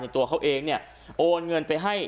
ในตัวเขาเองโอนเงินไปให้